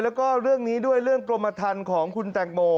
แล้วก็เรื่องนี้ด้วยเรื่องกรมทันของคุณแตงโม